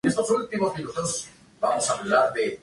Los Estados Unidos no participó en el torneo.